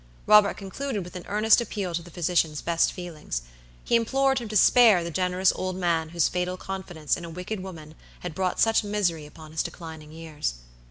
Robert concluded with an earnest appeal to the physician's best feelings. He implored him to spare the generous old man whose fatal confidence in a wicked woman had brought much misery upon his declining years.